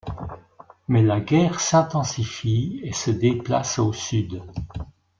Mais la guerre s'intensifie et se déplace au Sud.